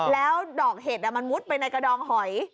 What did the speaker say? แล้วดอกเห็ดมันมุดไปในกระดองหอย